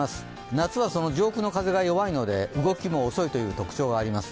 夏はその上空の風がよわいので動きが遅いという特徴があります。